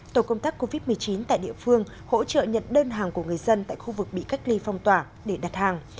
tổ công tác covid một mươi chín tại địa phương hỗ trợ nhận đơn hàng của người dân tại khu vực bị cách ly phong tỏa để đặt hàng